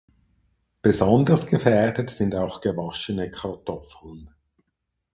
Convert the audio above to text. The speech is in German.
Besonders gefährdet sind auch gewaschene Kartoffeln.